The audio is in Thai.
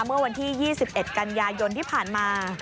เมื่อวันที่๒๑กันยายนที่ผ่านมา